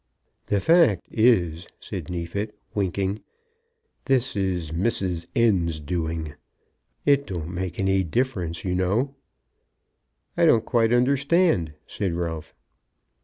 "The fact is," said Neefit winking, "this is Mrs. N.'s doing. It don't make any difference, you know." "I don't quite understand," said Ralph.